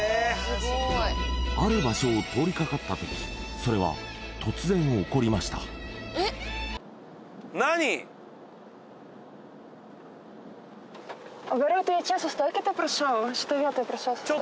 ある場所を通りかかった時それは突然起こりましたえっ？